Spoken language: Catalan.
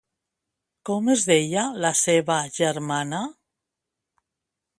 Com es deia la seva germana?